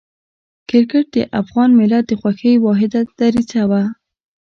کرکټ د افغان ملت د خوښۍ واحده دریڅه ده.